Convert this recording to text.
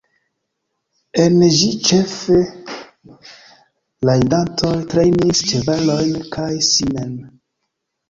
En ĝi ĉefe rajdantoj trejnis ĉevalojn kaj sin mem.